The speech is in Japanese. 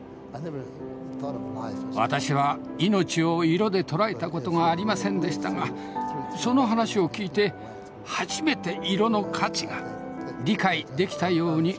私は命を色で捉えた事がありませんでしたがその話を聞いて初めて色の価値が理解できたように思います。